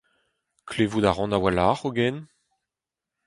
klevout a ran a-walc'h hogen…